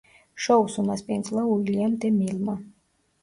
შოუს უმასპინძლა უილიამ დე მილმა.